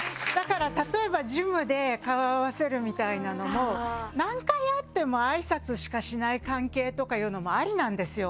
例えば、ジムで顔合わせるみたいなのも何回会ってもあいさつしかしない関係とかいうのも、ありなんですよ。